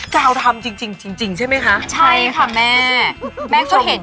กาวทำจริงจริงจริงจริงใช่ไหมคะใช่ค่ะแม่แม่ก็เห็นอยู่